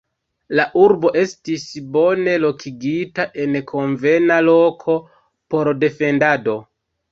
La urbo estis bone lokigita en konvena loko por defendado.